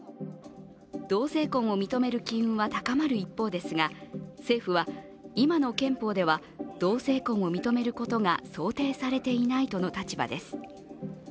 同性婚を認める機運は高まる一方ですが、政府は今の憲法では同性婚を認めることが想定されていないとの立場です。